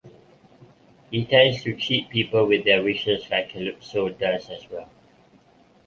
He tends to cheat people with their wishes like Calypso does as well.